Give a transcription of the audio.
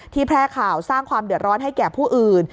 แพร่ข่าวสร้างความเดือดร้อนให้แก่ผู้อื่น